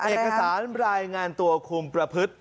เอกสารรายงานตัวคุมประพฤติ